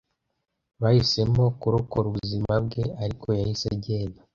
Bahisemo kurokora ubuzima bwe, ariko yahise agenda;